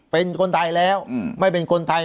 เป็นคนไทยแล้วไม่เป็นคนไทย